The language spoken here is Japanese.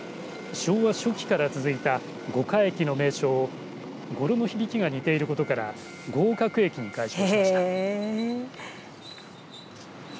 昭和初期から続いた五和駅の名称をごろの響きが似ていることから合格駅に改称しました。